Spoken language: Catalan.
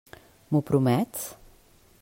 M'ho promets?